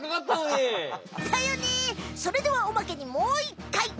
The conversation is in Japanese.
それではおまけにもう１かい！